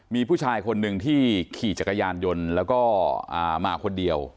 มีผู้ชายคนหนึ่งที่ขี่จักรยานยนต์แล้วก็มาคนเดียว